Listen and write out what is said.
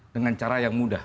dengan cara yang mudah